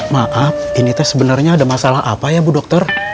maaf ini teh sebenarnya ada masalah apa ya bu dokter